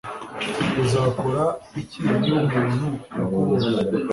Uzakora iki niba umuntu akubonye